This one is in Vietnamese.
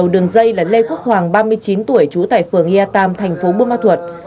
đây là lê quốc hoàng ba mươi chín tuổi trú tại phường yatam thành phố bương ma thuột